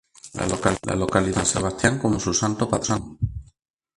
La localidad tiene a San Sebastián como su Santo patrón.